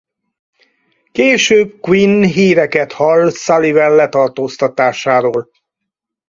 Később Quinn híreket hall Sullivan letartóztatásáról.